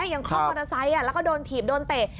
คล่อมมอเตอร์ไซค์แล้วก็โดนถีบโดนเตะ